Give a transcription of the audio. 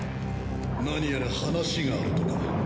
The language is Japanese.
何やら話があるとか。